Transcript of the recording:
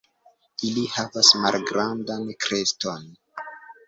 Ili havas malgrandan kreston.